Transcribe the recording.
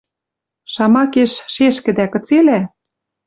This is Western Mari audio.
Шамакеш, шешкӹдӓ кыцелӓ?